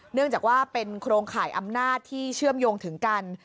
เนื่องจากว่าเป็นโครงข่ายอำนาจที่เชื่อมโยงถึงกัน